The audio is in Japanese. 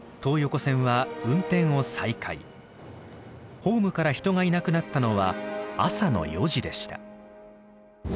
ホームから人がいなくなったのは朝の４時でした。